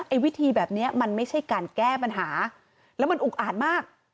วิธีแบบนี้มันไม่ใช่การแก้ปัญหาแล้วมันอุกอ่านมาก